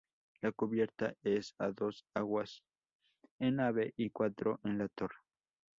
La cubierta es a dos aguas en nave y cuatro en la torre.